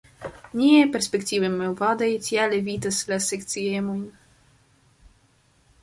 Niaj respektivaj movadoj tial evitas la sekciemojn.